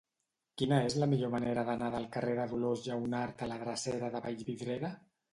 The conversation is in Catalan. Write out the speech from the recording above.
Quina és la millor manera d'anar del carrer de Dolors Lleonart a la drecera de Vallvidrera?